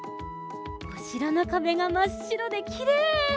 おしろのかべがまっしろできれい！